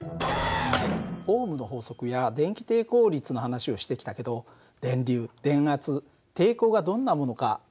オームの法則や電気抵抗率の話をしてきたけど電流電圧抵抗がどんなものか何となく分かったかな？